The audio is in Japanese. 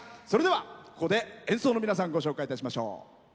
それでは、ここで演奏の皆さんご紹介しましょう。